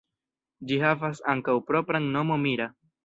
Ĝi havas ankaŭ propran nomo "Mira".